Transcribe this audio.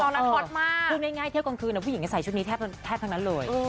รูปง่ายเที่ยวกลางคืนนะผู้หญิงก็ใส่ชุดนี้แทบทั้งนั้นเลย